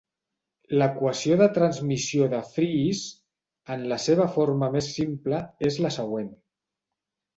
L'equació de transmissió de Friis, en la seva forma més simple, és la següent.